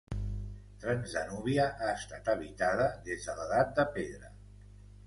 Transdanúbia ha estat habitada des de l'edat de pedra.